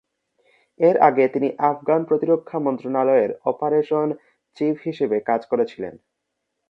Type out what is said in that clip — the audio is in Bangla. এর আগে, তিনি আফগান প্রতিরক্ষা মন্ত্রণালয়ের অপারেশন চিফ হিসাবে কাজ করেছিলেন।